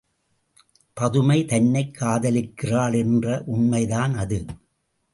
பதுமை தன்னைக் காதலிக்கிறாள் என்ற உண்மைதான் அது.